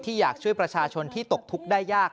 อยากช่วยประชาชนที่ตกทุกข์ได้ยาก